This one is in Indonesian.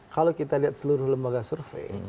kalau kita lihat seluruh lembaga survei